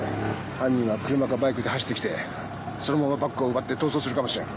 犯人は車かバイクで走ってきてそのままバッグを奪って逃走するかもしれん。